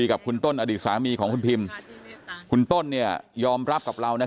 ขอบคุณแม่กับทั้ง๒คนมากนะคะที่เมตตาหนู